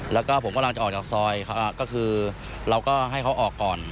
แล้วก็ผมกำลังจะออกจากซอยก็คือเราก็ให้เขาออกก่อน